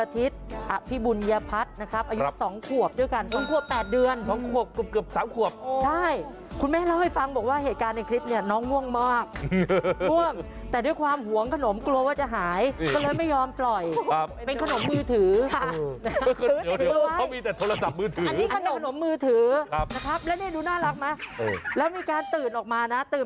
พี่บุญยพัดนะครับอายุสองขวบด้วยกันสองขวบแปดเดือนสองขวบเกือบสามขวบใช่คุณแม่เล่าให้ฟังบอกว่าเหตุการณ์ในคลิปเนี่ยน้องง่วงมากง่วงแต่ด้วยความหวงขนมกลัวว่าจะหายก็เลยไม่ยอมปล่อยครับเป็นขนมมือถือฮะเดี๋ยวเขามีแต่โทรศัพท์มือถืออันนี้ขนมมือถือครับนะครับ